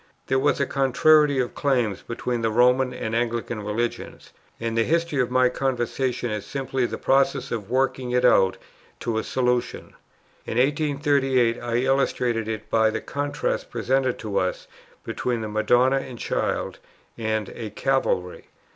There was a contrariety of claims between the Roman and Anglican religions, and the history of my conversion is simply the process of working it out to a solution. In 1838 I illustrated it by the contrast presented to us between the Madonna and Child, and a Calvary.